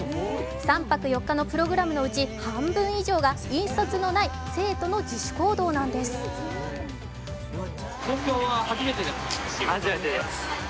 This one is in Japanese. ３泊４日のプログラムのうち半分以上が引率のない生徒の自主行動なんです初めてです。